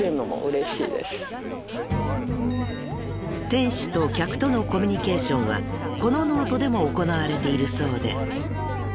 ［店主と客とのコミュニケーションはこのノートでも行われているそうで］